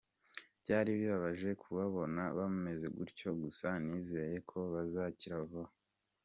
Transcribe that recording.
Byari bibabaje kubabona bameze gutyo gusa nizeye ko bazakira vuba.